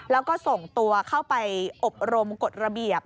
แล้วก็ส่งตัวเข้าไปอบรมกฎระเบียบ